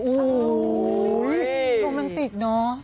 อุ๊ยโรแมนติกเนอะ